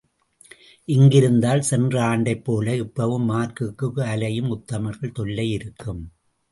இங்கிருந்தால் சென்ற ஆண்டைப் போல இப்பவும் மார்க்குக்கு அலையும் உத்தமர்கள் தொல்லை இருக்கும்.